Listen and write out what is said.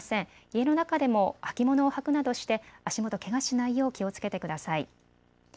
家の中でも履物を履くなどして足元、けがしないよう気をつけてください。